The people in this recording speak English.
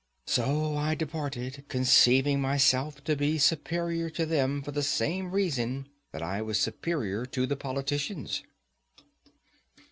So I departed, conceiving myself to be superior to them for the same reason that I was superior to the politicians.